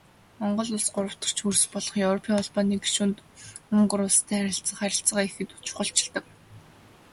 Монгол Улс гуравдагч хөрш болох Европын Холбооны гишүүн Унгар улстай харилцах харилцаагаа ихэд чухалчилдаг.